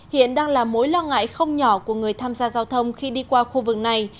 hiện đang là mối lo ngại không nhỏ của người tham gia giao thông khi đi qua khu vực này